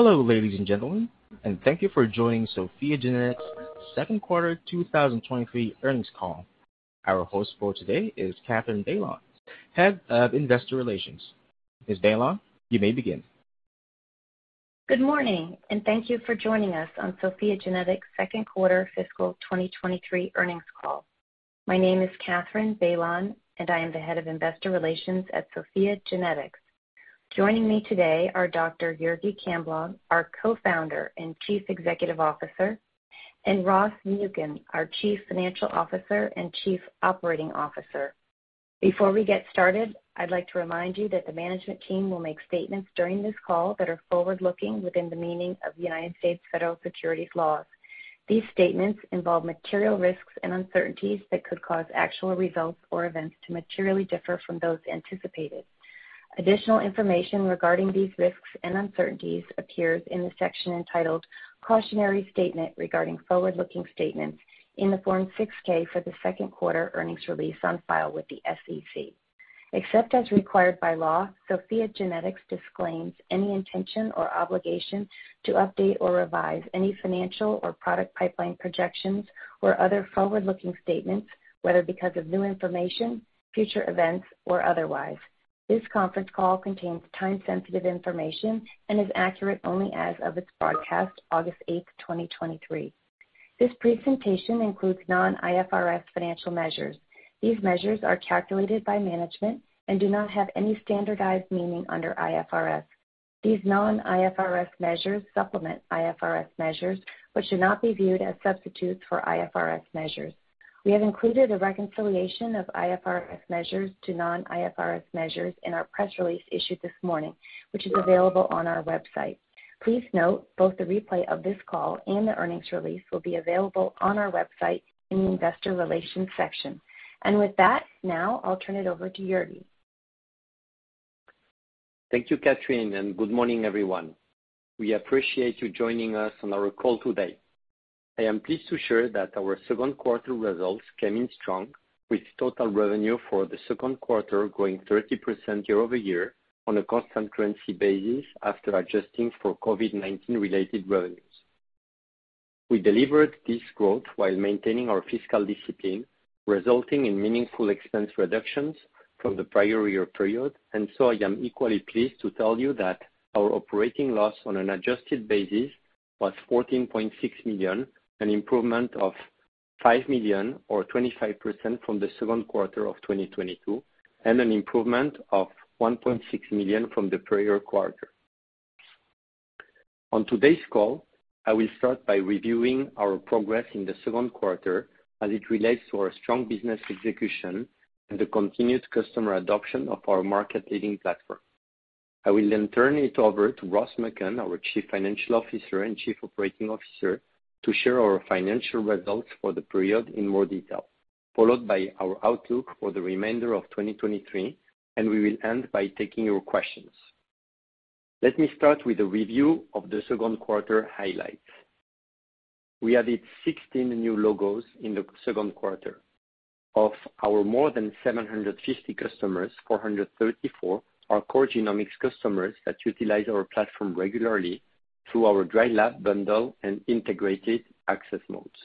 Hello, ladies and gentlemen, and thank you for joining SOPHiA GENETICS' 2Q 2023 earnings call. Our host for today is Catherine Bailon, Head of Investor Relations. Ms. Bailon, you may begin. Good morning. Thank you for joining us on SOPHiA GENETICS' Q2 fiscal 2023 earnings call. My name is Catherine Bailon, and I am the Head of Investor Relations at SOPHiA GENETICS. Joining me today are Dr. Jurgi Camblong, our Co-founder and Chief Executive Officer, and Ross Muken, our Chief Financial Officer and Chief Operating Officer. Before we get started, I'd like to remind you that the management team will make statements during this call that are forward-looking within the meaning of United States federal securities laws. These statements involve material risks and uncertainties that could cause actual results or events to materially differ from those anticipated. Additional information regarding these risks and uncertainties appears in the section entitled Cautionary Statement regarding forward-looking statements in the Form 6-K for the Q2 earnings release on file with the SEC. Except as required by law, SOPHiA GENETICS disclaims any intention or obligation to update or revise any financial or product pipeline projections or other forward-looking statements, whether because of new information, future events, or otherwise. This conference call contains time-sensitive information and is accurate only as of its broadcast, August 8, 2023. This presentation includes non-IFRS financial measures. These measures are calculated by management and do not have any standardized meaning under IFRS. These non-IFRS measures supplement IFRS measures, should not be viewed as substitutes for IFRS measures. We have included a reconciliation of IFRS measures to non-IFRS measures in our press release issued this morning, which is available on our website. Please note, both the replay of this call and the earnings release will be available on our website in the Investor Relations section. With that, now I'll turn it over to Jurgi. Thank you, Catherine, and good morning, everyone. We appreciate you joining us on our call today. I am pleased to share that our Q2 results came in strong, with total revenue for the Q2 growing 30% year-over-year on a constant currency basis after adjusting for COVID-19 related revenues. We delivered this growth while maintaining our fiscal discipline, resulting in meaningful expense reductions from the prior year period, I am equally pleased to tell you that our operating loss on an adjusted basis was $14.6 million, an improvement of $5 million, or 25%, from the Q2 of 2022, and an improvement of $1.6 million from the prior quarter. On today's call, I will start by reviewing our progress in the Q2 as it relates to our strong business execution and the continued customer adoption of our market-leading platform. I will then turn it over to Ross Muken, our Chief Financial Officer and Chief Operating Officer, to share our financial results for the period in more detail, followed by our outlook for the remainder of 2023. We will end by taking your questions. Let me start with a review of the Q2 highlights. We added 16 new logos in the Q2. Of our more than 750 customers, 434 are core genomics customers that utilize our platform regularly through our dry lab bundle and integrated access modes.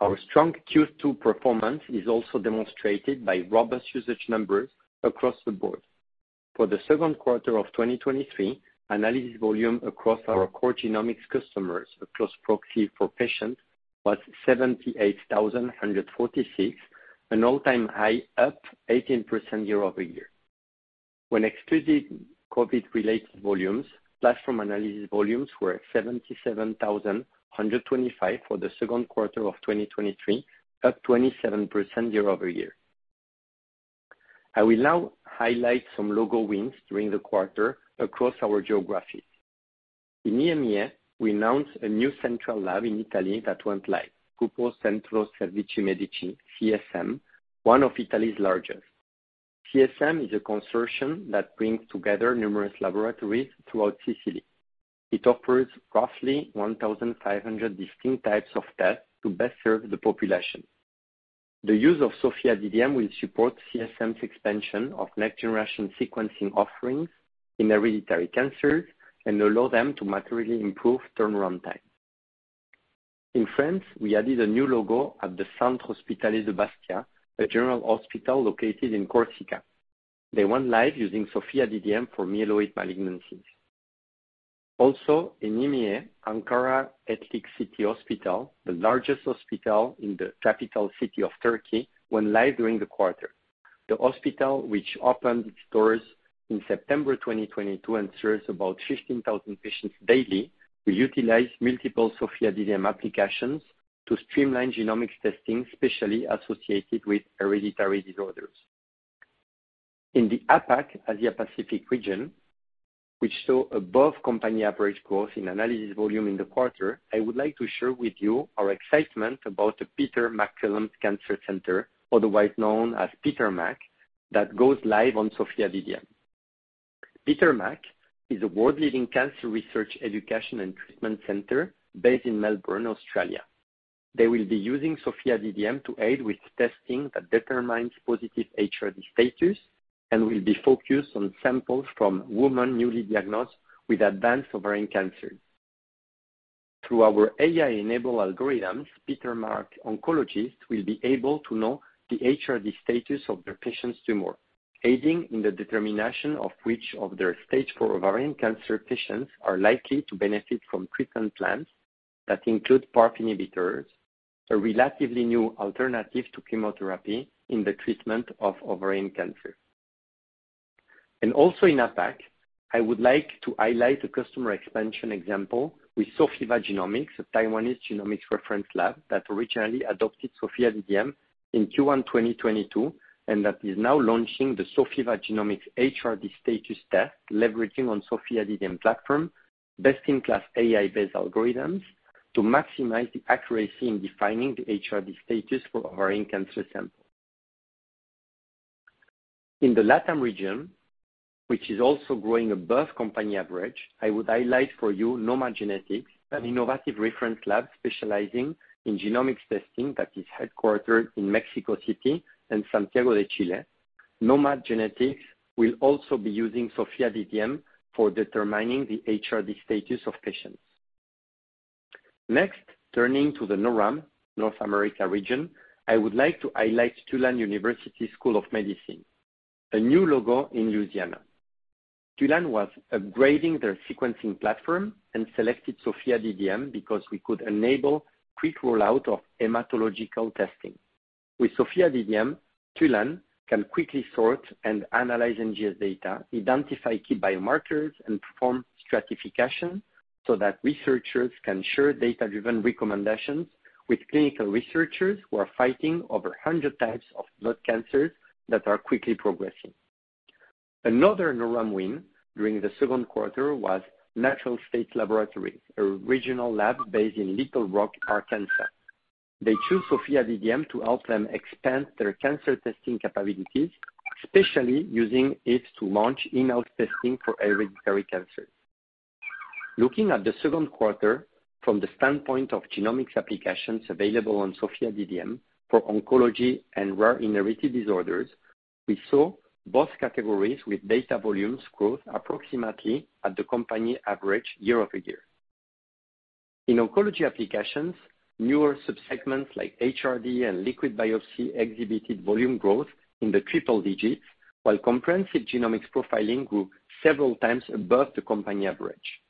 Our strong Q2 performance is also demonstrated by robust usage numbers across the board. For the Q2 of 2023, analysis volume across our core genomics customers, a close proxy for patients, was 78,146, an all-time high, up 18% year-over-year. When excluding COVID-related volumes, platform analysis volumes were 77,125 for the Q2 of 2023, up 27% year-over-year. I will now highlight some logo wins during the quarter across our geographies. In EMEA, we announced a new central lab in Italy that went live, Centro Servizi Medici (CSM), one of Italy's largest. CSM is a consortium that brings together numerous laboratories throughout Sicily. It offers roughly 1,500 distinct types of tests to best serve the population. The use of SOPHiA DDM will support CSM's expansion of next-generation sequencing offerings in hereditary cancers and allow them to materially improve turnaround time. In France, we added a new logo at the Centre Hospitalier de Bastia, a general hospital located in Corsica. They went live using SOPHiA DDM for myeloid malignancies. In EMEA, Ankara Etlik City Hospital, the largest hospital in the capital city of Turkey, went live during the quarter. The hospital, which opened its doors in September 2022 and serves about 15,000 patients daily, will utilize multiple SOPHiA DDM applications to streamline genomics testing, especially associated with hereditary disorders. In the APAC, Asia Pacific region, which saw above company average growth in analysis volume in the quarter, I would like to share with you our excitement about the Peter MacCallum Cancer Centre, otherwise known as Peter Mac, that goes live on SOPHiA DDM. Peter Mac is a world-leading cancer research, education, and treatment center based in Melbourne, Australia. They will be using SOPHiA DDM to aid with testing that determines positive HRD status and will be focused on samples from women newly diagnosed with advanced ovarian cancer. Through our AI-enabled algorithms, Peter Mac oncologists will be able to know the HRD status of their patient's tumor, aiding in the determination of which of their stage four ovarian cancer patients are likely to benefit from treatment plans that include PARP inhibitors, a relatively new alternative to chemotherapy in the treatment of ovarian cancer. Also in APAC, I would like to highlight a customer expansion example with Sofiva Genomics, a Taiwanese genomics reference lab that originally adopted SOPHiA DDM in Q1 2022, and that is now launching the Sofiva Genomics HRD status test, leveraging on SOPHiA DDM platform best-in-class AI-based algorithms, to maximize the accuracy in defining the HRD status for ovarian cancer samples. In the LATAM region, which is also growing above company average, I would highlight for you Nomad Genetics, an innovative reference lab specializing in genomics testing that is headquartered in Mexico City and Santiago de Chile. Nomad Genetics will also be using SOPHiA DDM for determining the HRD status of patients. Turning to the NORAM, North America region, I would like to highlight Tulane University School of Medicine, a new logo in Louisiana. Tulane was upgrading their sequencing platform and selected SOPHiA DDM because we could enable quick rollout of hematological testing. With SOPHiA DDM, Tulane can quickly sort and analyze NGS data, identify key biomarkers, and perform stratification, so that researchers can share data-driven recommendations with clinical researchers who are fighting over 100 types of blood cancers that are quickly progressing. Another NORAM win during the Q2 was Natural State Lab, a regional lab based in Little Rock, Arkansas. They chose SOPHiA DDM to help them expand their cancer testing capabilities, especially using it to launch in-house testing for hereditary cancers. Looking at the Q2 from the standpoint of genomics applications available on SOPHiA DDM for oncology and rare inherited disorders, we saw both categories with data volumes growth approximately at the company average year-over-year. In oncology applications, newer subsegments like HRD and liquid biopsy exhibited volume growth in the triple digits, while comprehensive genomic profiling grew several times above the company average.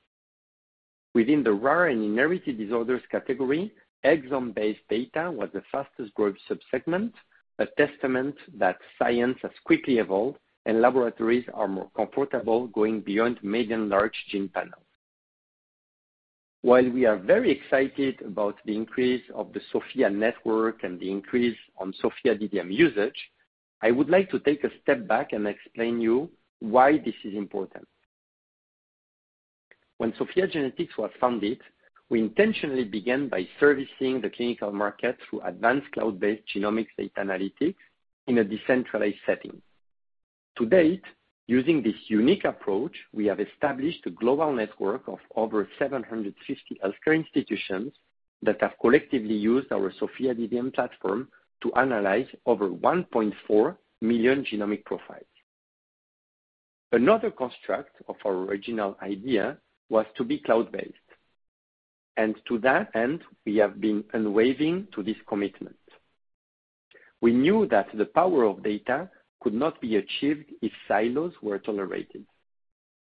Within the rare and inherited disorders category, exome-based data was the fastest growing subsegment, a testament that science has quickly evolved and laboratories are more comfortable going beyond medium, large gene panels. While we are very excited about the increase of the SOPHiA network and the increase on SOPHiA DDM usage, I would like to take a step back and explain you why this is important. When SOPHiA GENETICS was founded, we intentionally began by servicing the clinical market through advanced cloud-based genomics data analytics in a decentralized setting. To date, using this unique approach, we have established a global network of over 750 healthcare institutions that have collectively used ourSOPHiA DDM platform to analyze over 1.4 million genomic profiles. Another construct of our original idea was to be cloud-based, and to that end, we have been unwavering to this commitment. We knew that the power of data could not be achieved if silos were tolerated.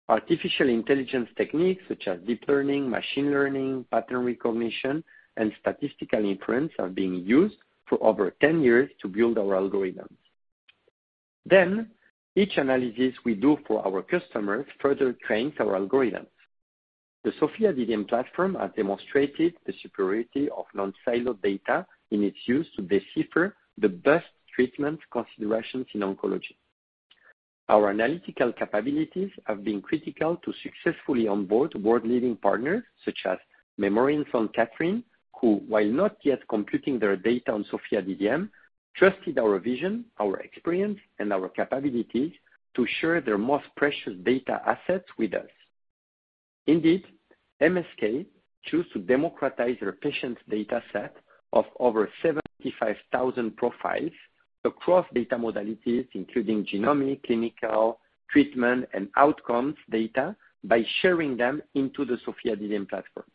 Artificial intelligence techniques such as deep learning, machine learning, pattern recognition, and statistical inference, are being used for over 10 years to build our algorithms. Each analysis we do for our customers further trains our algorithms. The SOPHiA DDM platform has demonstrated the superiority of non-siloed data in its use to decipher the best treatment considerations in oncology. Our analytical capabilities have been critical to successfully onboard world-leading partners such as Memorial Sloan Kettering Cancer Center, who, while not yet computing their data on SOPHiA DDM, trusted our vision, our experience, and our capabilities to share their most precious data assets with us. MSK chose to democratize their patient data set of over 75,000 profiles across data modalities, including genomic, clinical, treatment, and outcomes data, by sharing them into the SOPHiA DDM platform.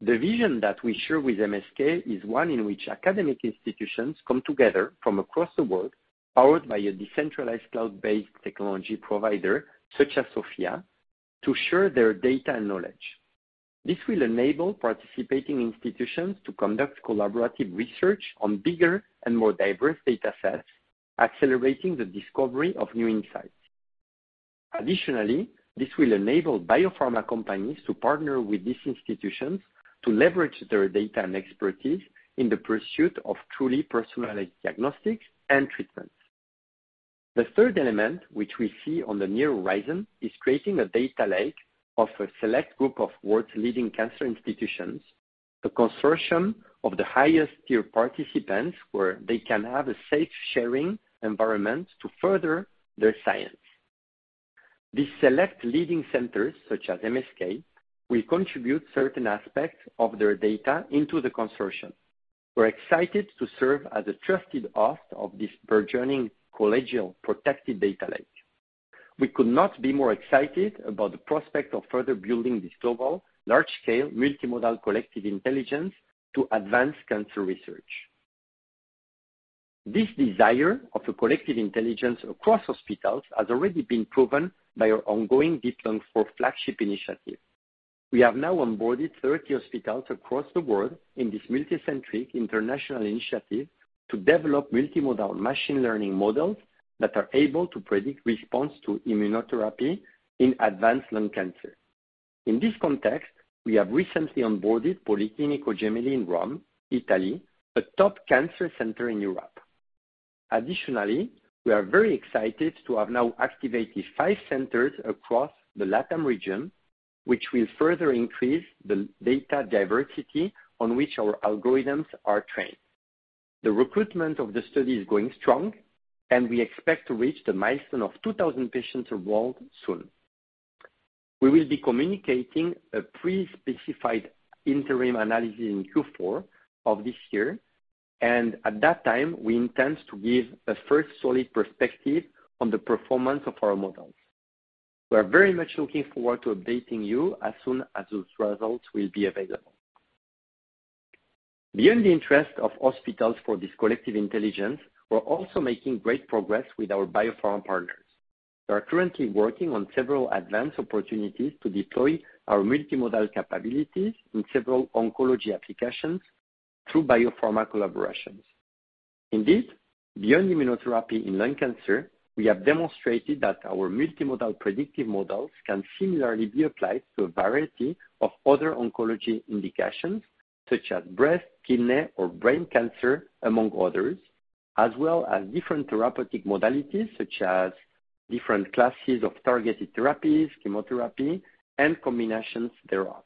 The vision that we share with MSK is one in which academic institutions come together from across the world, powered by a decentralized, cloud-based technology provider, such as SOPHiA, to share their data and knowledge. This will enable participating institutions to conduct collaborative research on bigger and more diverse data sets, accelerating the discovery of new insights. Additionally, this will enable biopharma companies to partner with these institutions to leverage their data and expertise in the pursuit of truly personalized diagnostics and treatments. The third element, which we see on the near horizon, is creating a data lake of a select group of world's leading cancer institutions, a consortium of the highest tier participants, where they can have a safe sharing environment to further their science.... These select leading centers, such as MSK, will contribute certain aspects of their data into the consortium. We're excited to serve as a trusted host of this burgeoning collegial, protected data lake. We could not be more excited about the prospect of further building this global, large-scale, multimodal collective intelligence to advance cancer research. This desire of a collective intelligence across hospitals has already been proven by our ongoing Deep-Lung-IV flagship initiative. We have now onboarded 30 hospitals across the world in this multicentric international initiative to develop multimodal machine learning models that are able to predict response to immunotherapy in advanced lung cancer. In this context, we have recently onboarded Policlinico Gemelli in Rome, Italy, a top cancer center in Europe. Additionally, we are very excited to have now activated five centers across the LATAM region, which will further increase the data diversity on which our algorithms are trained. The recruitment of the study is going strong, and we expect to reach the milestone of 2,000 patients enrolled soon. We will be communicating a pre-specified interim analysis in Q4 of this year, and at that time, we intend to give a first solid perspective on the performance of our models. We are very much looking forward to updating you as soon as those results will be available. Beyond the interest of hospitals for this collective intelligence, we're also making great progress with our biopharma partners. We are currently working on several advanced opportunities to deploy our multimodal capabilities in several oncology applications through biopharma collaborations. Indeed, beyond immunotherapy in lung cancer, we have demonstrated that our multimodal predictive models can similarly be applied to a variety of other oncology indications, such as breast, kidney, or brain cancer, among others, as well as different therapeutic modalities such as different classes of targeted therapies, chemotherapy, and combinations thereof.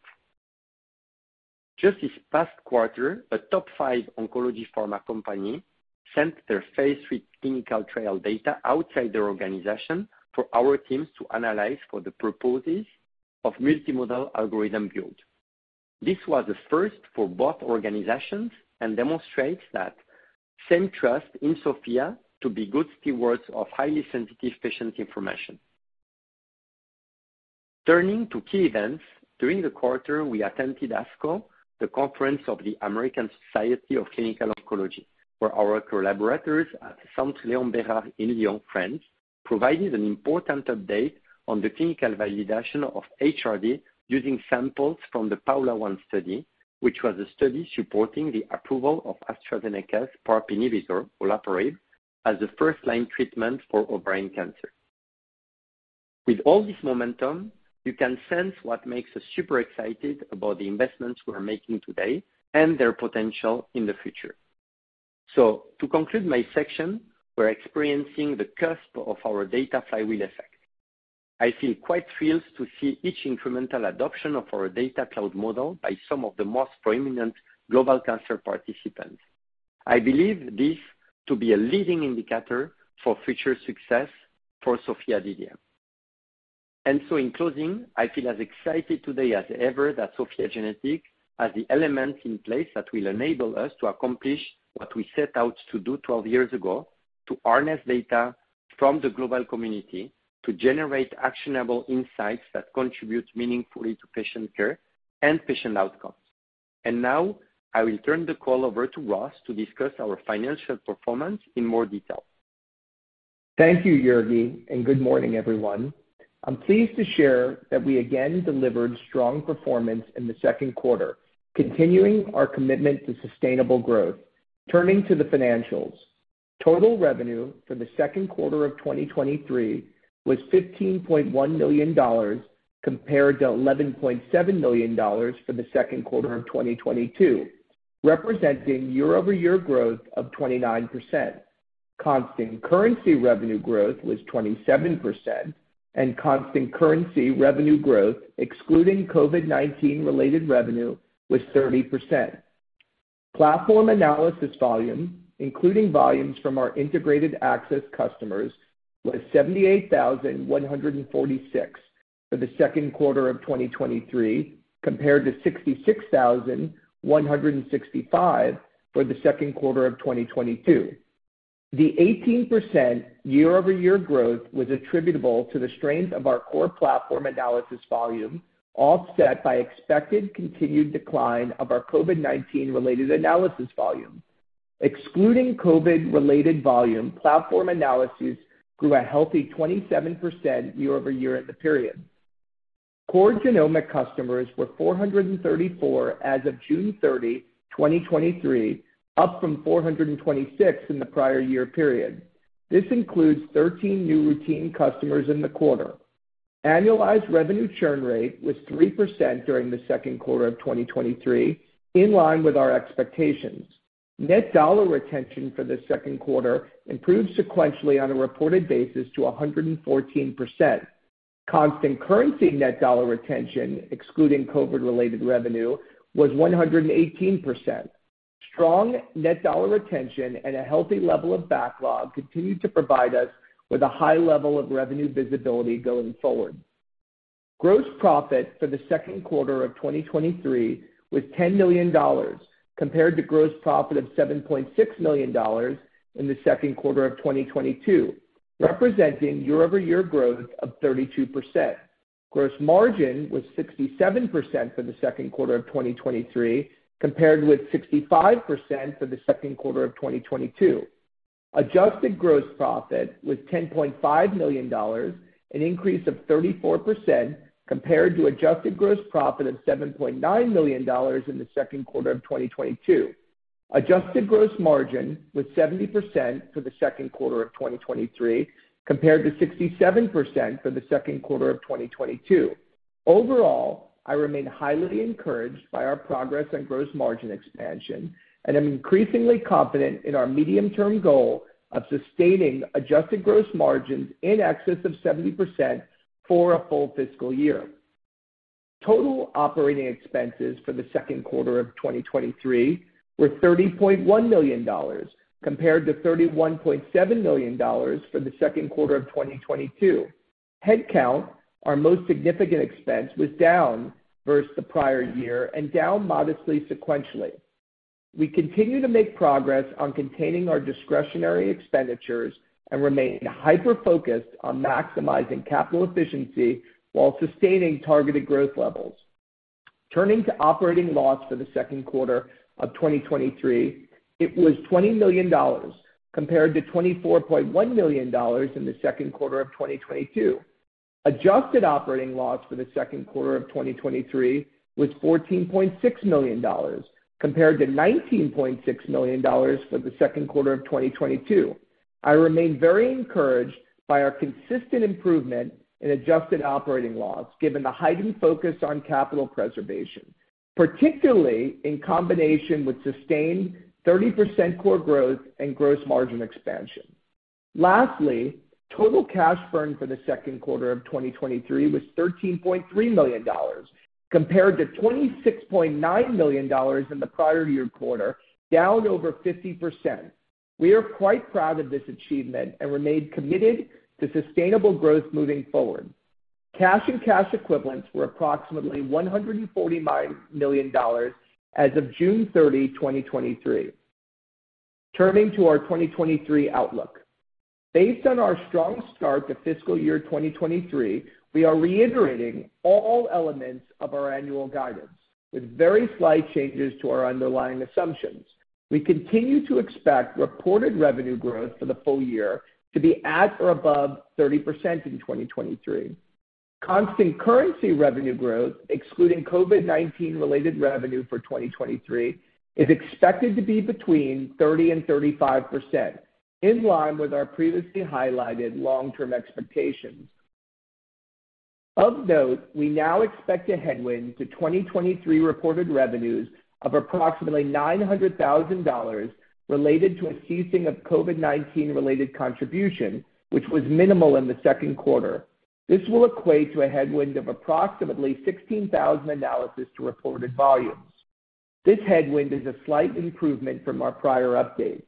Just this past quarter, a top 5 oncology pharma company sent their phase 3 clinical trial data outside their organization for our teams to analyze for the purposes of multimodal algorithm build. This was a first for both organizations and demonstrates that same trust in SOPHiA to be good stewards of highly sensitive patient information. Turning to key events, during the quarter, we attended ASCO, the Conference of the American Society of Clinical Oncology, where our collaborators at Centre Léon Bérard in Lyon, France, provided an important update on the clinical validation of HRD using samples from the PAOLA-1 study, which was a study supporting the approval of AstraZeneca's PARP inhibitor, olaparib, as a first-line treatment for ovarian cancer. With all this momentum, you can sense what makes us super excited about the investments we are making today and their potential in the future. To conclude my section, we're experiencing the cusp of our data flywheel effect. I feel quite thrilled to see each incremental adoption of our data cloud model by some of the most prominent global cancer participants. I believe this to be a leading indicator for future success for SOPHiA DDM. In closing, I feel as excited today as ever, that SOPHiA GENETICS has the elements in place that will enable us to accomplish what we set out to do 12 years ago, to harness data from the global community, to generate actionable insights that contribute meaningfully to patient care and patient outcomes. Now, I will turn the call over to Ross to discuss our financial performance in more detail. Thank you, Jurgi. Good morning, everyone. I'm pleased to share that we again delivered strong performance in the Q2, continuing our commitment to sustainable growth. Turning to the financials. Total revenue for the Q2 of 2023 was $15.1 million, compared to $11.7 million for the Q2 of 2022, representing year-over-year growth of 29%. Constant currency revenue growth was 27%, constant currency revenue growth, excluding COVID-19 related revenue, was 30%. Platform analysis volume, including volumes from our integrated access customers, was 78,146 for the Q2 of 2023, compared to 66,165 for the Q2 of 2022. The 18% year-over-year growth was attributable to the strength of our core platform analysis volume, offset by expected continued decline of our COVID-19 related analysis volume. Excluding COVID-related volume, platform analysis grew a healthy 27% year-over-year at the period. Core genomic customers were 434 as of June 30, 2023, up from 426 in the prior year period. This includes 13 new routine customers in the quarter. Annualized revenue churn rate was 3% during the Q2 of 2023, in line with our expectations. Net dollar retention for the Q2 improved sequentially on a reported basis to 114%. Constant currency net dollar retention, excluding COVID-related revenue, was 118%. Strong net dollar retention and a healthy level of backlog continue to provide us with a high level of revenue visibility going forward. Gross profit for the Q2 of 2023 was $10 million, compared to gross profit of $7.6 million in the Q2 of 2022, representing year-over-year growth of 32%. Gross margin was 67% for the Q2 of 2023, compared with 65% for the Q2 of 2022. Adjusted gross profit was $10.5 million, an increase of 34% compared to adjusted gross profit of $7.9 million in the Q2 of 2022. Adjusted gross margin was 70% for the Q2 of 2023, compared to 67% for the Q2 of 2022. Overall, I remain highly encouraged by our progress on gross margin expansion, and I'm increasingly confident in our medium-term goal of sustaining adjusted gross margins in excess of 70% for a full fiscal year. Total operating expenses for the Q2 of 2023 were $30.1 million, compared to $31.7 million for the Q2 of 2022. Headcount, our most significant expense, was down versus the prior year and down modestly sequentially. We continue to make progress on containing our discretionary expenditures and remain hyper-focused on maximizing capital efficiency while sustaining targeted growth levels. Turning to operating loss for the Q2 of 2023, it was $20 million, compared to $24.1 million in the Q2 of 2022. Adjusted operating loss for the Q2 of 2023 was $14.6 million, compared to $19.6 million for the Q2 of 2022. I remain very encouraged by our consistent improvement in adjusted operating loss, given the heightened focus on capital preservation, particularly in combination with sustained 30% core growth and gross margin expansion. Lastly, total cash burn for the Q2 of 2023 was $13.3 million, compared to $26.9 million in the prior year quarter, down over 50%. We are quite proud of this achievement and remain committed to sustainable growth moving forward. Cash and cash equivalents were approximately $149 million as of June 30, 2023. Turning to our 2023 outlook. Based on our strong start to fiscal year 2023, we are reiterating all elements of our annual guidance, with very slight changes to our underlying assumptions. We continue to expect reported revenue growth for the full year to be at or above 30% in 2023. Constant currency revenue growth, excluding COVID-19 related revenue for 2023, is expected to be between 30% and 35%, in line with our previously highlighted long-term expectations. Of note, we now expect a headwind to 2023 reported revenues of approximately $900,000 related to a ceasing of COVID-19 related contribution, which was minimal in the Q2. This will equate to a headwind of approximately 16,000 analysis to reported volumes. This headwind is a slight improvement from our prior update.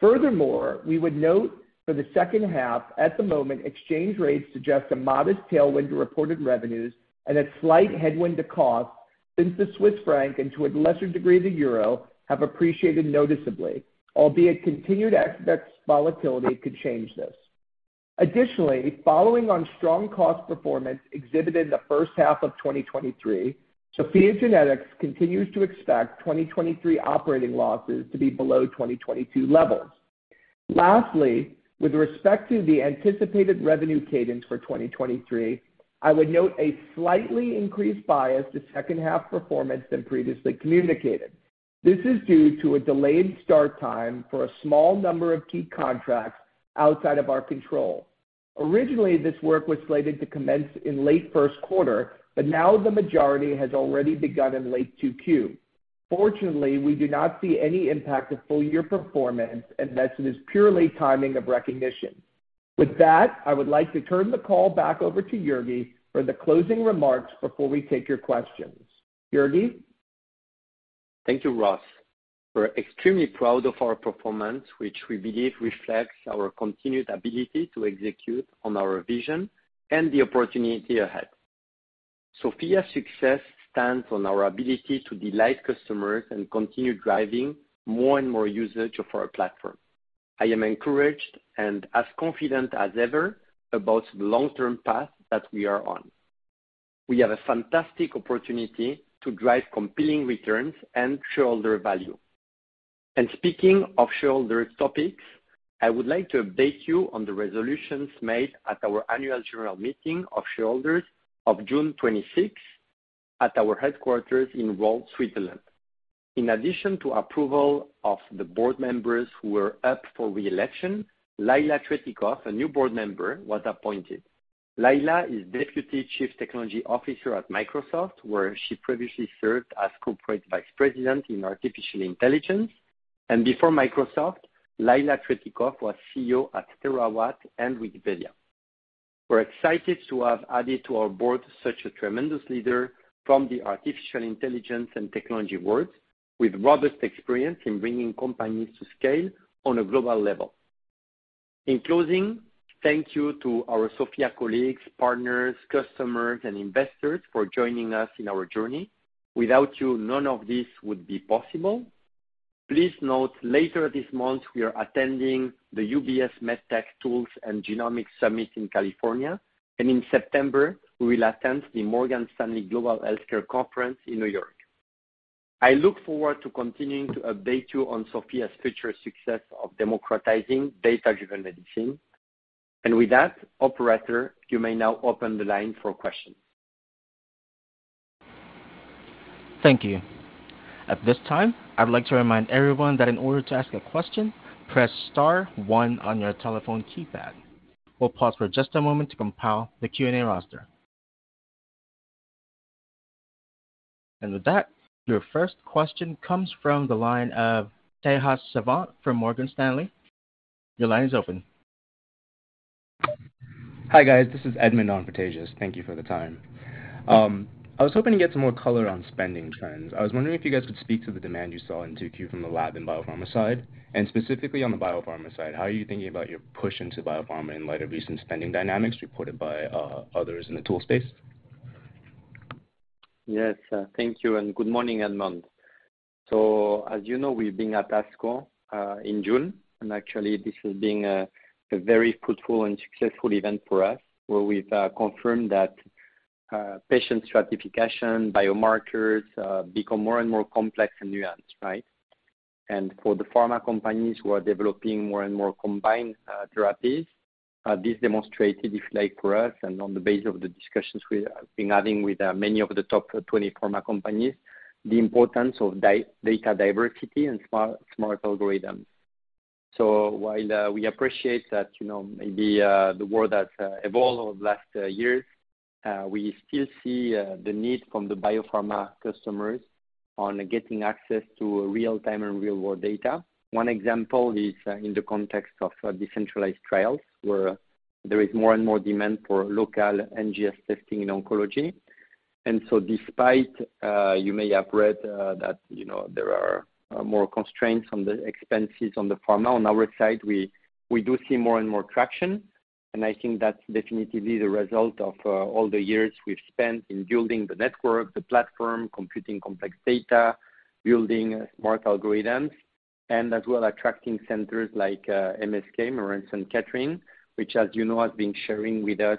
Furthermore, we would note for the H2, at the moment, exchange rates suggest a modest tailwind to reported revenues and a slight headwind to cost, since the Swiss franc, and to a lesser degree, the euro, have appreciated noticeably, albeit continued ex- volatility could change this. Additionally, following on strong cost performance exhibited in the H1 of 2023, SOPHiA GENETICS continues to expect 2023 operating losses to be below 2022 levels. Lastly, with respect to the anticipated revenue cadence for 2023, I would note a slightly increased bias to H2 performance than previously communicated. This is due to a delayed start time for a small number of key contracts outside of our control. Originally, this work was slated to commence in late Q1, but now the majority has already begun in late 2Q. Fortunately, we do not see any impact to full year performance, and this is purely timing of recognition. With that, I would like to turn the call back over to Jurgi for the closing remarks before we take your questions. Jurgi? Thank you, Ross. We're extremely proud of our performance, which we believe reflects our continued ability to execute on our vision and the opportunity ahead. SOPHiA's success stands on our ability to delight customers and continue driving more and more usage of our platform. I am encouraged and as confident as ever about the long-term path that we are on. We have a fantastic opportunity to drive compelling returns and shareholder value. Speaking of shareholder topics, I would like to update you on the resolutions made at our annual general meeting of shareholders of June 26th at our headquarters in Rolle, Switzerland. In addition to approval of the board members who were up for re-election, Lila Tretikov, a new board member, was appointed. Lila is Deputy Chief Technology Officer at Microsoft, where she previously served as Corporate Vice President in Artificial Intelligence. Before Microsoft, Lila Tretikov was CEO at Terawatt and Wikimedia Foundation. We're excited to have added to our board such a tremendous leader from the artificial intelligence and technology world, with robust experience in bringing companies to scale on a global level. In closing, thank you to our SOPHiA colleagues, partners, customers, and investors for joining us in our journey. Without you, none of this would be possible. Please note, later this month, we are attending the UBS MedTech, Tools and Genomics Summit in California. In September, we will attend the Morgan Stanley Global Healthcare Conference in New York. I look forward to continuing to update you on SOPHiA's future success of democratizing data-driven medicine. With that, operator, you may now open the line for questions. Thank you. At this time, I'd like to remind everyone that in order to ask a question, press star one on your telephone keypad. We'll pause for just a moment to compile the Q&A roster. With that, your first question comes from the line of Tejas Savant from Morgan Stanley. Your line is open. Hi, guys. This is Edmund on for Tejas. Thank you for the time. I was hoping to get some more color on spending trends. I was wondering if you guys could speak to the demand you saw in Q2 from the lab and biopharma side, and specifically on the biopharma side, how are you thinking about your push into biopharma in light of recent spending dynamics reported by, others in the tool space? Yes, thank you, and good morning, Edmund. As you know, we've been at ASCO in June, and actually this has been a very fruitful and successful event for us, where we've confirmed that patient stratification, biomarkers become more and more complex and nuanced, right? For the pharma companies who are developing more and more combined therapies, this demonstrated, if like for us and on the base of the discussions we have been having with many of the top 20 pharma companies, the importance of data diversity and smart, smart algorithms. While we appreciate that, you know, maybe the world has evolved over the last years, we still see the need from the biopharma customers on getting access to real time and real world data. One example is in the context of decentralized trials, where there is more and more demand for local NGS testing in oncology. Despite you may have read that, you know, there are more constraints on the expenses on the pharma, on our side, we do see more and more traction, and I think that's definitively the result of all the years we've spent in building the network, the platform, computing complex data, building smart algorithms, and as well attracting centers like MSK, Memorial Sloan Kettering, which, as you know, has been sharing with us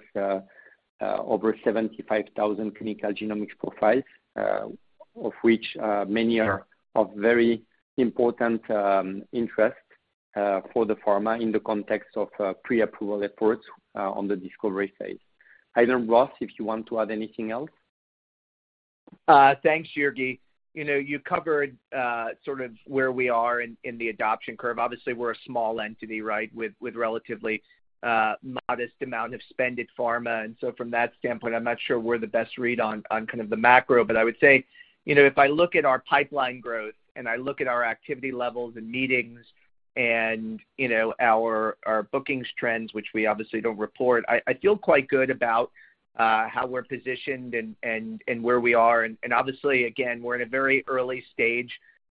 over 75,000 clinical genomics profiles, of which many are of very important interest for the pharma in the context of pre-approval efforts on the discovery side. I don't know, Ross, if you want to add anything else. Thanks, Jurgi. You know, you covered, sort of where we are in, in the adoption curve. Obviously, we're a small entity, right? With, with relatively, modest amount of spend at pharma. From that standpoint, I'm not sure we're the best read on, on kind of the macro. I would say, you know, if I look at our pipeline growth and I look at our activity levels and meetings and, you know, our, our bookings trends, which we obviously don't report, I, I feel quite good about, how we're positioned and, and, and where we are. And obviously, again, we're in a very early stage,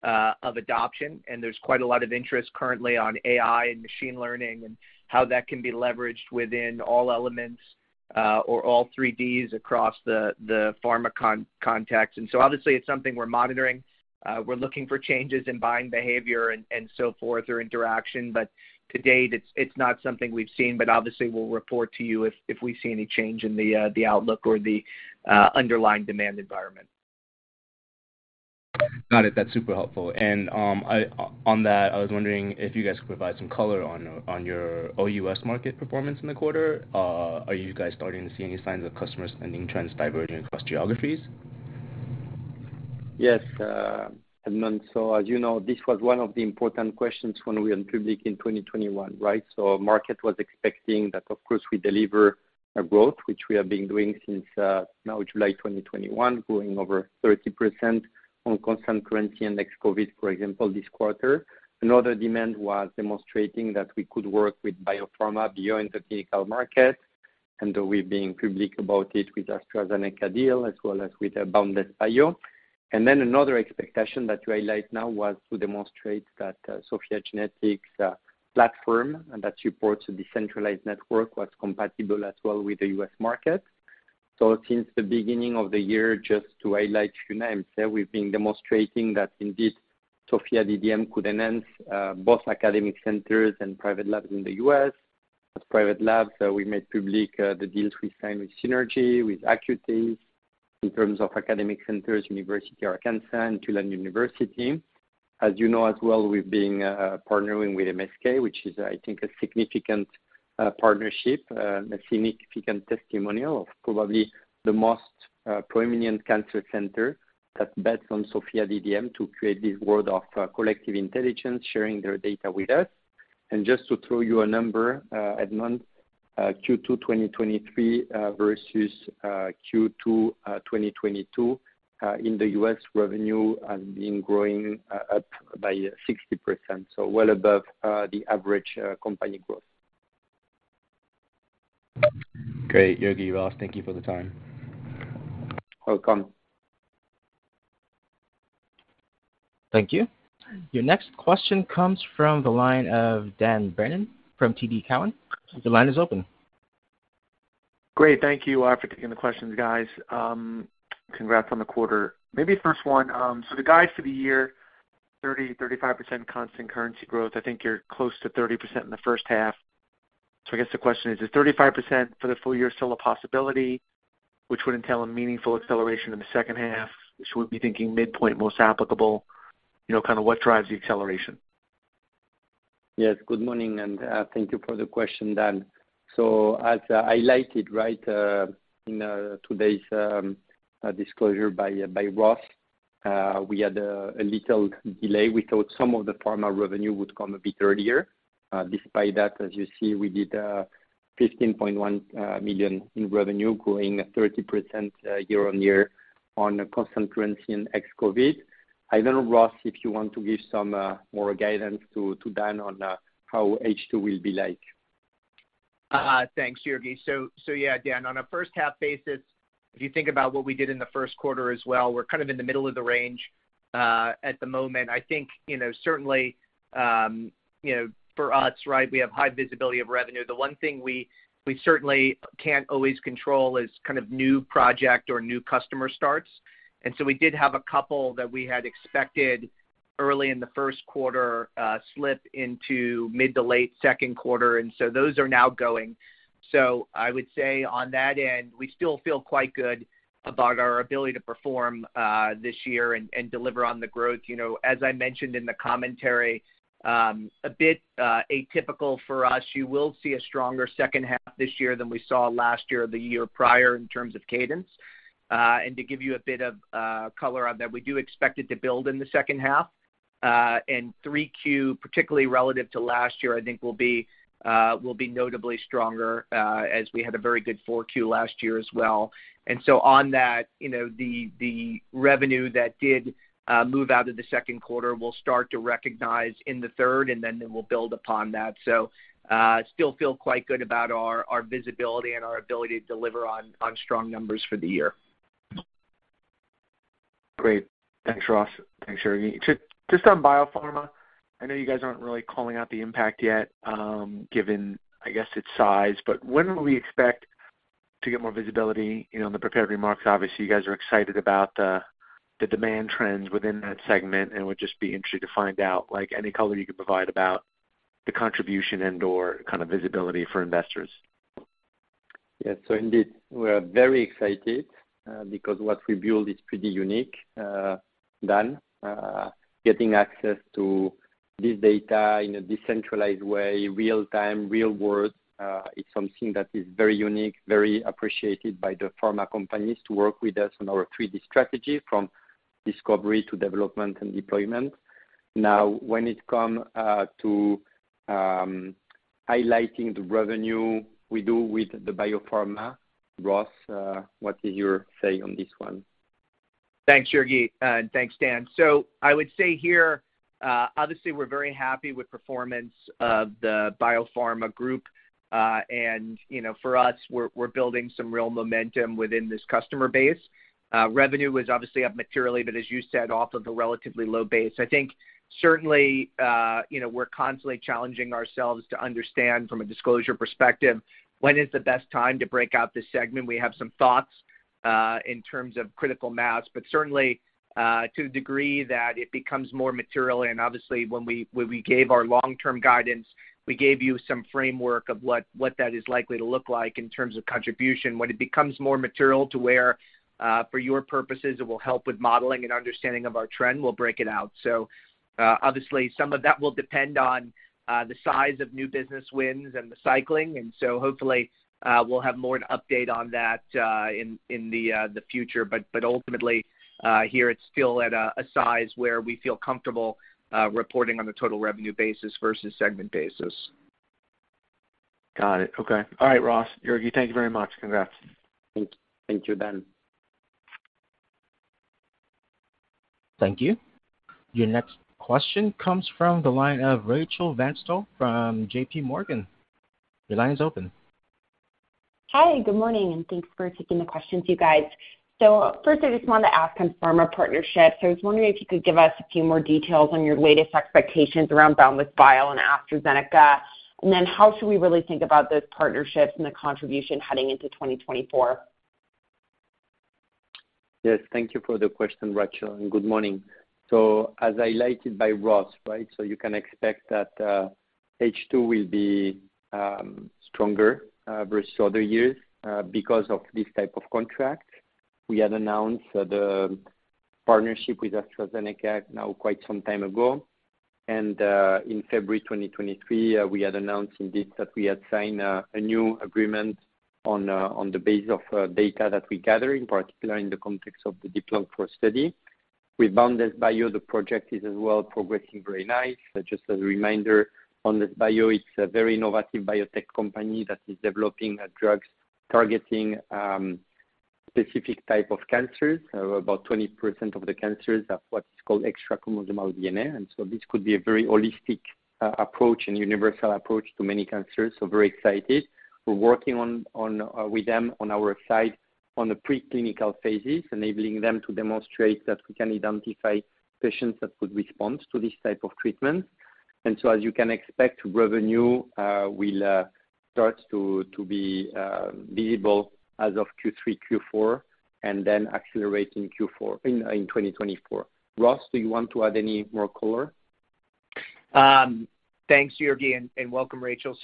of adoption, and there's quite a lot of interest currently on AI and machine learning, and how that can be leveraged within all elements, or all 3 Ds across the, the pharma context. Obviously, it's something we're monitoring. We're looking for changes in buying behavior and, and so forth, or interaction, to date, it's, it's not something we've seen, but obviously we'll report to you if, if we see any change in the, the outlook or the underlying demand environment. Got it. That's super helpful. On that, I was wondering if you guys could provide some color on, on your OUS market performance in the quarter. Are you guys starting to see any signs of customer spending trends diverging across geographies? Yes, Edmund. As you know, this was one of the important questions when we went public in 2021, right? Market was expecting that, of course, we deliver a growth, which we have been doing since now July 2021, growing over 30% on constant currency and ex-COVID, for example, this quarter. Another demand was demonstrating that we could work with biopharma beyond the clinical market, and we've been public about it with AstraZeneca deal, as well as with Boundless Bio. Another expectation that you highlight now was to demonstrate that SOPHiA GENETICS platform, that supports a decentralized network, was compatible as well with the U.S. market. Since the beginning of the year, just to highlight a few names, we've been demonstrating that indeed, SOPHiA DDM could enhance both academic centers and private labs in the U.S. As private labs, we made public the deals we signed with Synergy, with Acuity, in terms of academic centers, University of Arkansas and Tulane University. As you know as well, we've been partnering with MSK, which is, I think, a significant partnership, a significant testimonial of probably the most prominent cancer center that bets on SOPHiA DDM to create this world of collective intelligence, sharing their data with us. Just to throw you a number, Edmund, Q2 2023 versus Q2 2022, in the U.S., revenue has been growing up by 60%, so well above the average company growth. Great Jurgi, Ross, thank you for the time. Welcome. Thank you. Your next question comes from the line of Dan Brennan from Cowen. Your line is open. Great, thank you for taking the questions, guys. Congrats on the quarter. Maybe first one. The guys for the year, 30%-35% constant currency growth. I think you're close to 30% in the H1. I guess the question is, is 35% for the full year still a possibility, which would entail a meaningful acceleration in the H2? Which we'll be thinking midpoint, most applicable, you know, kind of what drives the acceleration? Yes. Good morning, and thank you for the question, Dan. As I highlighted, right, in today's disclosure by Ross, we had a little delay. We thought some of the pharma revenue would come a bit earlier. Despite that, as you see, we did $15.1 million in revenue, growing 30% year-on-year on a constant currency in ex-COVID. I don't know, Ross, if you want to give some more guidance to Dan on how H2 will be like. Thanks, Yogi. So yeah, Dan, on a H1 basis, if you think about what we did in the Q1 as well, we're kind of in the middle of the range, at the moment. I think, you know, certainly, you know, for us, right, we have high visibility of revenue. The one thing we, we certainly can't always control is kind of new project or new customer starts. We did have a couple that we had expected early in the Q1, slip into mid to late Q2, and so those are now going. I would say on that end, we still feel quite good about our ability to perform, this year and, and deliver on the growth. You know, as I mentioned in the commentary, a bit atypical for us. You will see a stronger H2 this year than we saw last year or the year prior in terms of cadence. To give you a bit of color on that, we do expect it to build in the H2. 3Q, particularly relative to last year, I think will be notably stronger, as we had a very good 4Q last year as well. On that, you know, the revenue that did move out of the Q2 will start to recognize in the third, and then we'll build upon that. Still feel quite good about our visibility and our ability to deliver on strong numbers for the year. Great. Thanks, Ross. Thanks, Yogi. Just, just on biopharma, I know you guys aren't really calling out the impact yet, given, I guess, its size, but when will we expect to get more visibility? You know, in the prepared remarks, obviously, you guys are excited about the, the demand trends within that segment, and would just be interested to find out, like, any color you could provide about the contribution and/or kind of visibility for investors. Yes. So indeed, we are very excited, because what we build is pretty unique, Dan. Getting access to this data in a decentralized way, real time, real world, is something that is very unique, very appreciated by the pharma companies to work with us on our 3D strategy, from discovery to development and deployment. Now, when it come to highlighting the revenue we do with the biopharma, Ross, what is your say on this one? Thanks, Yogi, and thanks, Dan. I would say here, obviously, we're very happy with performance of the biopharma group. You know, for us, we're, we're building some real momentum within this customer base. Revenue was obviously up materially, but as you said, off of a relatively low base. I think certainly, you know, we're constantly challenging ourselves to understand from a disclosure perspective, when is the best time to break out this segment? We have some thoughts in terms of critical mass, but certainly, to a degree, that it becomes more material. Obviously, when we, when we gave our long-term guidance, we gave you some framework of what, what that is likely to look like in terms of contribution. When it becomes more material to where, for your purposes, it will help with modeling and understanding of our trend, we'll break it out. Obviously, some of that will depend on the size of new business wins and the cycling, and so hopefully, we'll have more an update on that in, in the, the future. Ultimately, here, it's still at a size where we feel comfortable reporting on the total revenue basis versus segment basis. Got it. Okay. All right, Ross, Yogi, thank you very much. Congrats. Thank you, Dan. Thank you. Your next question comes from the line of Rachel Vatnsdal from JP Morgan. Your line is open. Hi, good morning, thanks for taking the questions, you guys. First, I just wanted to ask on pharma partnerships. I was wondering if you could give us a few more details on your latest expectations around Boundless Bio and AstraZeneca. Then how should we really think about those partnerships and the contribution heading into 2024? Yes, thank you for the question, Rachel. Good morning. As highlighted by Ross, right, you can expect that H2 will be stronger versus other years because of this type of contract. We had announced the partnership with AstraZeneca now quite some time ago. In February 2023, we had announced indeed that we had signed a new agreement on the basis of data that we gather, in particular in the context of the Deep-Lung-IV study. With Boundless Bio, the project is as well progressing very nice. Just as a reminder, Boundless Bio is a very innovative biotech company that is developing drugs targeting specific type of cancers. About 20% of the cancers have what's called extrachromosomal DNA, so this could be a very holistic approach and universal approach to many cancers, so very excited. We're working on, on with them on our side, on the preclinical phases, enabling them to demonstrate that we can identify patients that could respond to this type of treatment. So as you can expect, revenue will start to to be visible as of Q3, Q4, and then accelerating in 2024. Ross, do you want to add any more color? Thanks, Jurgi, and, and welcome, Rachel.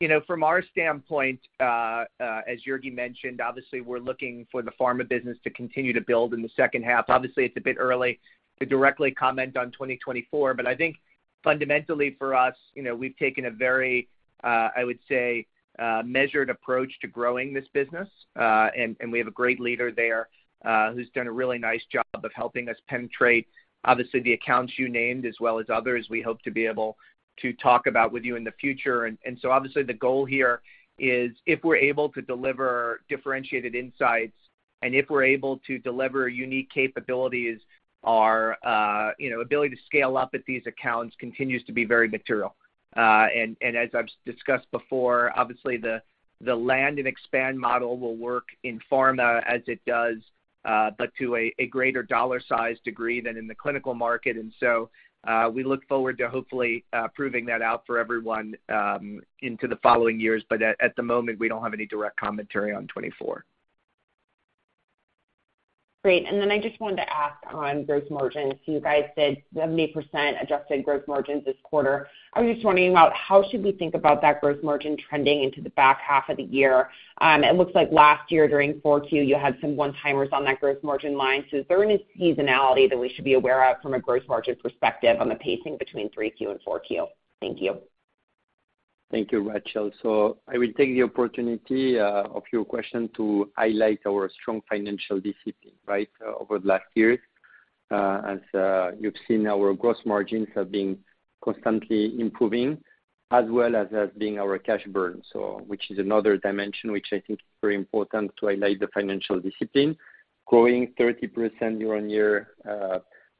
You know, from our standpoint, as Jurgi mentioned, obviously, we're looking for the pharma business to continue to build in the H2. Obviously, it's a bit early to directly comment on 2024, but I think fundamentally for us, you know, we've taken a very, I would say, measured approach to growing this business. We have a great leader there, who's done a really nice job of helping us penetrate, obviously, the accounts you named, as well as others we hope to be able to talk about with you in the future. So, obviously, the goal here is if we're able to deliver differentiated insights, and if we're able to deliver unique capabilities, our, you know, ability to scale up at these accounts continues to be very material. as I've discussed before, obviously the, the land and expand model will work in pharma as it does, but to a, a greater dollar size degree than in the clinical market. We look forward to hopefully proving that out for everyone into the following years. At, at the moment, we don't have any direct commentary on 2024. Great. Then I just wanted to ask on gross margins. You guys said 70% adjusted gross margins this quarter. I was just wondering about how should we think about that gross margin trending into the back half of the year? It looks like last year during Q4, you had some one-timers on that gross margin line. Is there any seasonality that we should be aware of from a gross margin perspective on the pacing between Q3 and Q4? Thank you. Thank you, Rachel. I will take the opportunity of your question to highlight our strong financial discipline, right? Over the last years, as you've seen, our gross margins have been constantly improving, as well as, as being our cash burn. Which is another dimension, which I think is very important to highlight the financial discipline. Growing 30% year-on-year,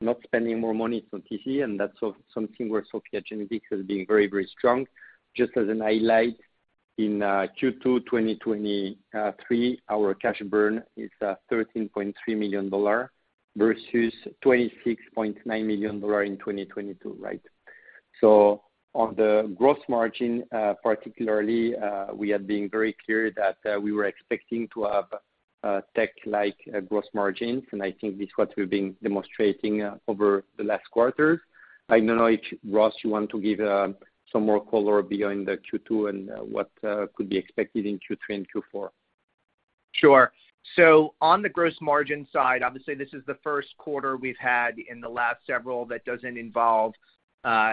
not spending more money on TC, and that's so something where SOPHiA GENETICS has been very, very strong. Just as an highlight, in Q2 2023, our cash burn is $13.3 million versus $26.9 million in 2022, right? On the gross margin, particularly, we have been very clear that we were expecting to have a tech-like gross margins, and I think this is what we've been demonstrating over the last quarters. I don't know if, Ross, you want to give, some more color behind the Q2 and, what, could be expected in Q3 and Q4. Sure. On the gross margin side, obviously, this is the Q1 we've had in the last several that doesn't involve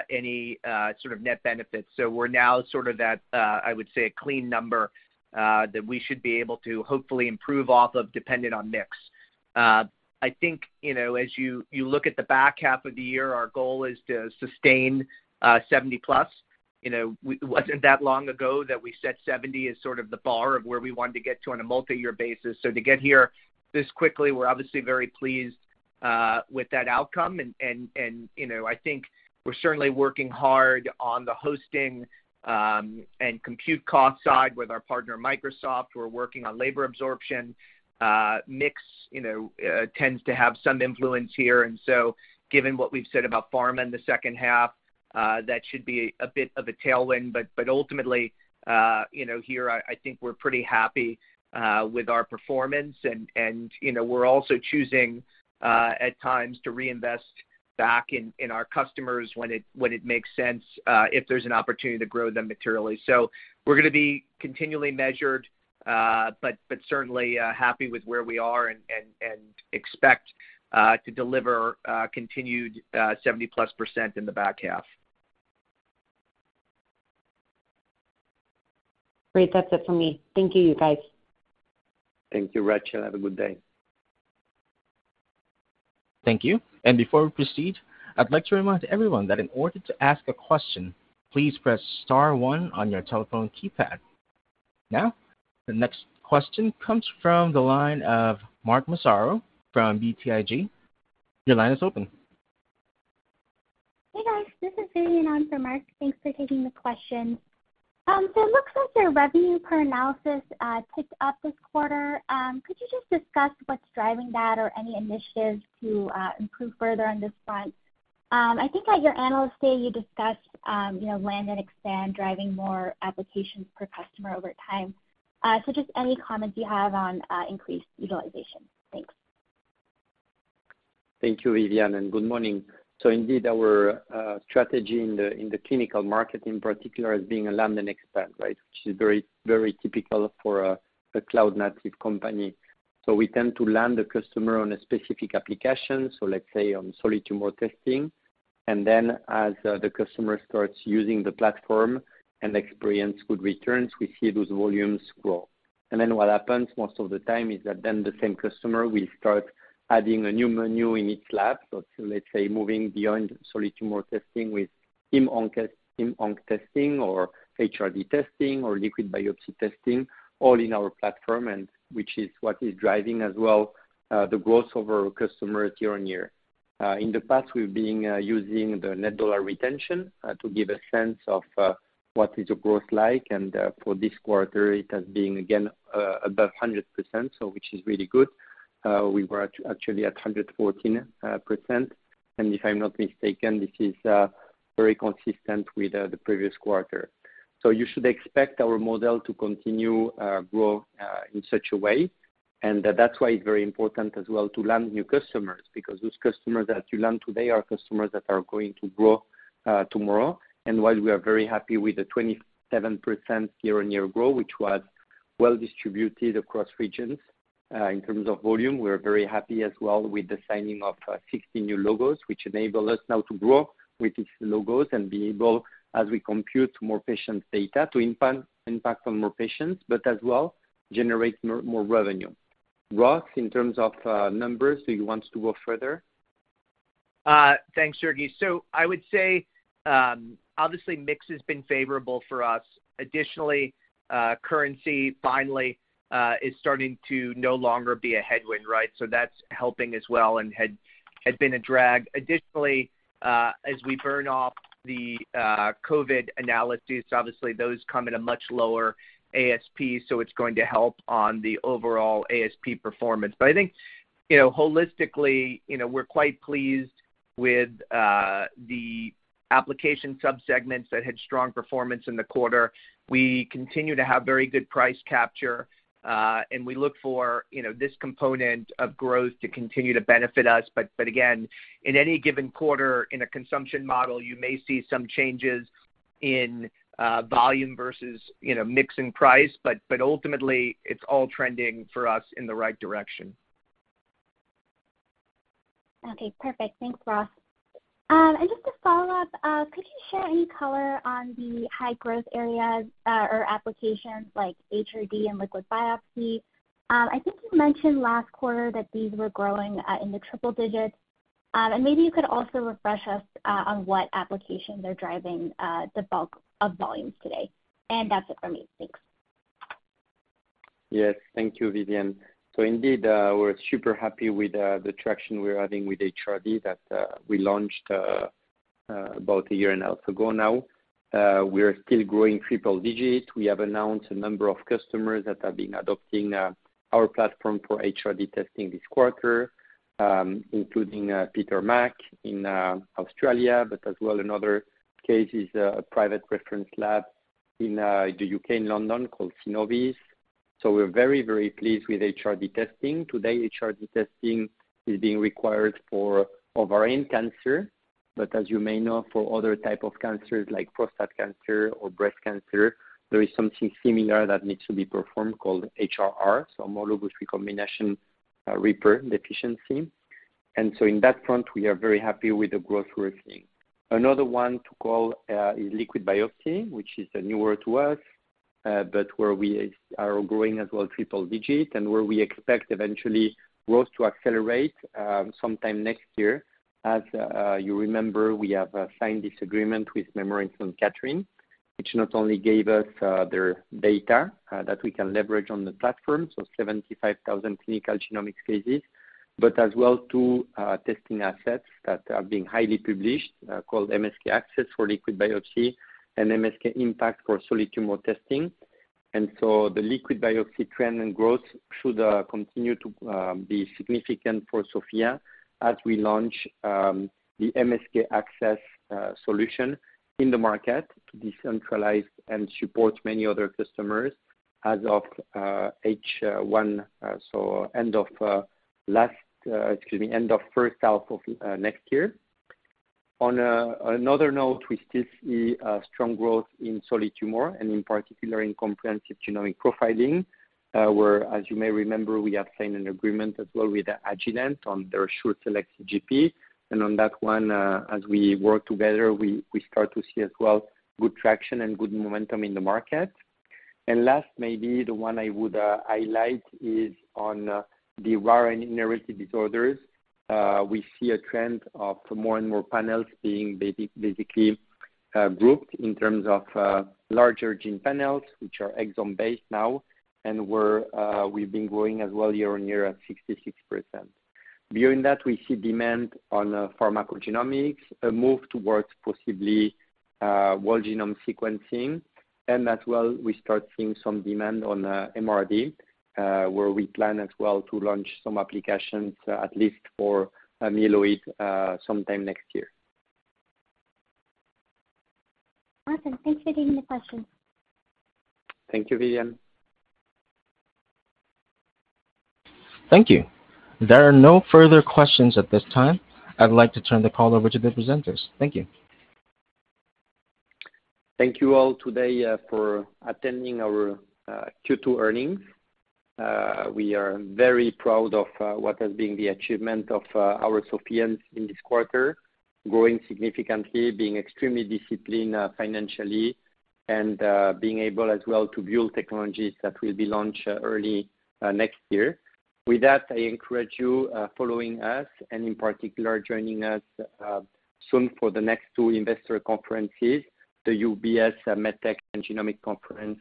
any sort of net benefits. We're now sort of that, I would say, a clean number that we should be able to hopefully improve off of, dependent on mix. I think, you know, as you, you look at the back half of the year, our goal is to sustain 70+. You know, it wasn't that long ago that we set 70 as sort of the bar of where we wanted to get to on a multi-year basis. To get here this quickly, we're obviously very pleased with that outcome. You know, I think we're certainly working hard on the hosting and compute cost side with our partner, Microsoft. We're working on labor absorption. Mix, you know, tends to have some influence here. Given what we've said about pharma in the H2, that should be a bit of a tailwind. Ultimately, you know, here I think we're pretty happy with our performance, and, you know, we're also choosing at times to reinvest back in our customers when it makes sense, if there's an opportunity to grow them materially. We're going to be continually measured, but certainly happy with where we are and expect to deliver continued 70+% in the back half. Great. That's it for me. Thank you, you guys. Thank you, Rachel. Have a good day. Thank you. Before we proceed, I'd like to remind everyone that in order to ask a question, please press star one on your telephone keypad. The next question comes from the line of Mark Massaro from BTIG. Your line is open. Hey, guys. This is Viviane on for Mark. Thanks for taking the question. It looks like your revenue per analysis picked up this quarter. Could you just discuss what's driving that or any initiatives to improve further on this front? I think at your analyst day, you discussed, you know, land and expand, driving more applications per customer over time. Just any comments you have on increased utilization? Thanks. Thank you, Viviane, good morning. Indeed, our strategy in the clinical market in particular, is being a land and expand, right? Which is very, very typical for a cloud-native company. We tend to land a customer on a specific application, so let's say on solid tumor testing, and then as the customer starts using the platform and experience good returns, we see those volumes grow. Then what happens most of the time is that then the same customer will start adding a new menu in each lab. Let's say, moving beyond solid tumor testing with IM ONCO testing or HRD testing or liquid biopsy testing, all in our platform, and which is what is driving as well the growth of our customers year on year. In the past, we've been using the net dollar retention to give a sense of what is the growth like, and for this quarter, it has been again above 100%, so which is really good. We were at, actually at 114%, and if I'm not mistaken, this is very consistent with the previous quarter. You should expect our model to continue grow in such a way. That's why it's very important as well to land new customers, because those customers that you land today are customers that are going to grow tomorrow. While we are very happy with the 27% year-on-year growth, which was well distributed across regions, in terms of volume, we are very happy as well with the signing of 60 new logos, which enable us now to grow with these logos and be able, as we compute more patient data, to impact, impact on more patients, but as well, generate more, more revenue. Ross, in terms of numbers, do you want to go further? Thanks, Sergea. I would say, obviously, mix has been favorable for us. Additionally, currency finally is starting to no longer be a headwind, right? That's helping as well, and had, had been a drag. Additionally, as we burn off the COVID analyses, obviously those come at a much lower ASP. It's going to help on the overall ASP performance. I think, you know, holistically, you know, we're quite pleased with the application subsegments that had strong performance in the quarter. We continue to have very good price capture, and we look for, you know, this component of growth to continue to benefit us. but again, in any given quarter in a consumption model, you may see some changes in volume versus, you know, mixing price, but, but ultimately it's all trending for us in the right direction. Okay, perfect. Thanks, Ross. Just to follow up, could you share any color on the high growth areas, or applications like HRD and liquid biopsy? I think you mentioned last quarter that these were growing, in the triple digits. Maybe you could also refresh us, on what applications are driving, the bulk of volumes today. That's it for me. Thanks. Yes. Thank you, Viviane. Indeed, we're super happy with the traction we're having with HRD that we launched about 1.5 years ago now. We are still growing triple digits. We have announced a number of customers that have been adopting our platform for HRD testing this quarter, including Peter Mac in Australia, but as well in other cases, private reference lab in the UK, in London called Synnovis. We're very, very pleased with HRD testing. Today, HRD testing is being required for ovarian cancer, but as you may know, for other type of cancers like prostate cancer or breast cancer, there is something similar that needs to be performed called HRR, so homologous recombination repair deficiency. In that front, we are very happy with the growth we're seeing. Another one to call is liquid biopsy, which is a newer to us, but where we are growing as well, triple-digit, and where we expect eventually growth to accelerate sometime next year. As you remember, we have signed this agreement with Memorial Sloan Kettering, which not only gave us their data that we can leverage on the platform, so 75,000 clinical genomics cases, but as well, two testing assets that are being highly published called MSK-ACCESS for liquid biopsy and MSK-IMPACT for solid tumor testing. So the liquid biopsy trend and growth should continue to be significant for SOPHiA as we launch the MSK-ACCESS solution in the market to decentralize and support many other customers as of H1, so end of last, excuse me, end of H1 of next year. On another note, we still see strong growth in solid tumor and in particular in comprehensive genomic profiling, where, as you may remember, we have signed an agreement as well with Agilent on their SureSelect. On that one, as we work together, we, we start to see as well, good traction and good momentum in the market. Last, maybe the one I would highlight is on the rare inherited disorders. We see a trend of more and more panels being basic, basically, grouped in terms of larger gene panels, which are exome-based now, and we're, we've been growing as well year-on-year at 66%. Beyond that, we see demand on pharmacogenomics, a move towards possibly whole genome sequencing, and as well, we start seeing some demand on MRD, where we plan as well to launch some applications at least for amyloid sometime next year. Awesome. Thanks for taking the question. Thank you, Viviane. Thank you. There are no further questions at this time. I'd like to turn the call over to the presenters. Thank you. Thank you all today for attending our Q2 earnings. We are very proud of what has been the achievement of our SOPHiANs in this quarter, growing significantly, being extremely disciplined financially, and being able as well to build technologies that will be launched early next year. With that, I encourage you following us, and in particular, joining us soon for the next 2 investor conferences, the UBS MedTech and Genomics Conference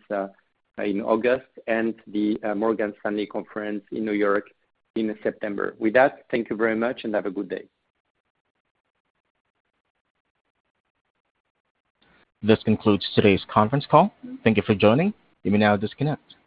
in August, and the Morgan Stanley conference in New York, in September. With that, thank you very much and have a good day. This concludes today's conference call. Thank you for joining. You may now disconnect.